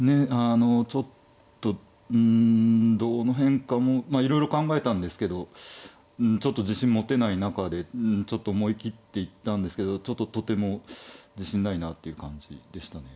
あのちょっとうんどの変化もいろいろ考えたんですけどちょっと自信持てない中でちょっと思い切って行ったんですけどちょっととても自信ないなっていう感じでしたね。